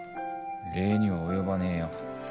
礼には及ばねえよ。